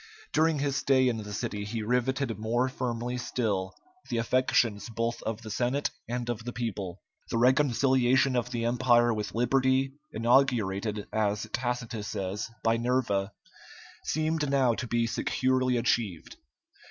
During his stay in the city he riveted more firmly still the affections both of the Senate and of the people. The reconciliation of the Empire with liberty, inaugurated, as Tacitus says, by Nerva, seemed now to be securely achieved.